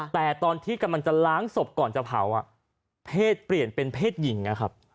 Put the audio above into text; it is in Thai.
แต่ตอนที่กำลังจะล้างศพก่อนจะเผาเพศเปลี่ยนเป็นเพศหญิงนะครับ